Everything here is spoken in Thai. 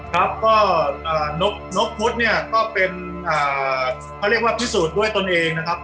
ครับก็นกพุทธเนี่ยก็เป็นเขาเรียกว่าพิสูจน์ด้วยตนเองนะครับ